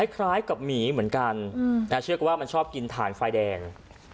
คล้ายกับหมีเหมือนกันเชื่อก็ว่ามันชอบกินฐานไฟแดง